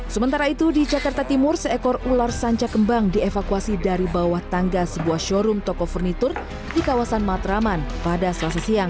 sementara itu di jakarta timur seekor ular sanca kembang dievakuasi dari bawah tangga sebuah showroom toko furnitur di kawasan matraman pada selasa siang